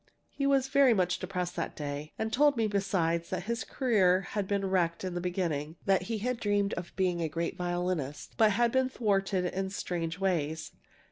"He was very much depressed that day, and told me, besides, that his career had been wrecked in the beginning that he had dreamed of being a great violinist, but had been thwarted in strange ways.